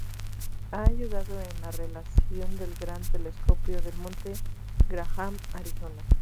Ha ayudado en la realización del gran telescopio del Monte Graham, Arizona.